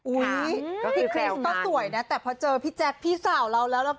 พี่คริวก็สวยนะแต่พอเจอพี่แจ๊คพี่สาวเราแล้วแล้ว